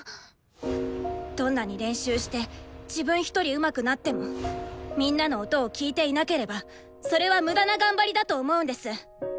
どんなに練習して自分ひとりうまくなってもみんなの音を聴いていなければそれは無駄な頑張りだと思うんです。